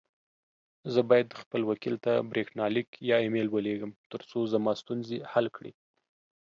زه بايد خپل وکيل ته بريښناليک يا اى ميل وليږم، ترڅو زما ستونزي حل کړې.